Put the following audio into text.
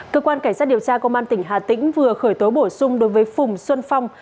cơ quan cảnh sát điều tra công an tỉnh hà tĩnh vừa khởi tố bổ sung đối với phùng xuân phong